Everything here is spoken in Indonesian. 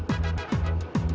ya ini salah aku